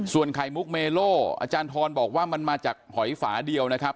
ส่วนไข่มุกเมโลอาจารย์ทรบอกว่ามันมาจากหอยฝาเดียวนะครับ